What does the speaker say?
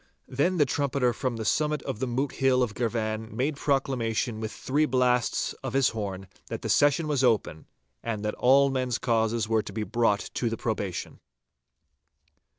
Then the trumpeter from the summit of the Moot Hill of Girvan made proclamation with three blasts of his horn that the session was open, and that all men's causes were to be brought to the probation.